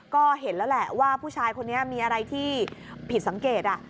ก็เห็นแล้วแหละว่าผู้ชายคนนี้มีอะไรที่ผิดสังเกต